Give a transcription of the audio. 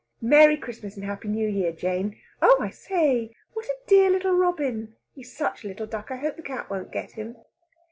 Merry Christmas and happy New Year, Jane!... Oh, I say! What a dear little robin! He's such a little duck, I hope that cat won't get him!"